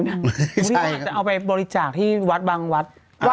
พี่ผัตต์เอาไปบริจาคที่วัดบางวัด